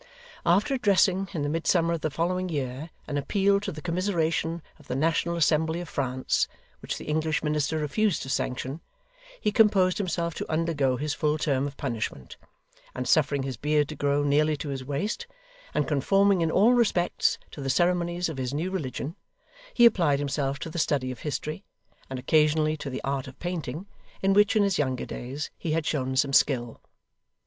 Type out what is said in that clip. After addressing, in the midsummer of the following year, an appeal to the commiseration of the National Assembly of France, which the English minister refused to sanction, he composed himself to undergo his full term of punishment; and suffering his beard to grow nearly to his waist, and conforming in all respects to the ceremonies of his new religion, he applied himself to the study of history, and occasionally to the art of painting, in which, in his younger days, he had shown some skill.